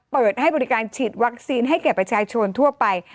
เปิดให้บริการฉีดวัคซีนให้แก่ประชาชนทั่วไป